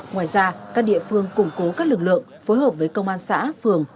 ngoài ra các địa phương củng cố các lực lượng phối hợp với công an xã phường